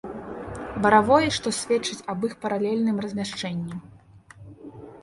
Баравой, што сведчыць аб іх паралельным размяшчэнні.